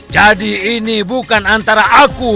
jadi ini bukan antara aku